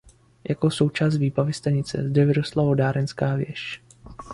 Jako součást výbavy stanice zde vyrostla vodárenská věž.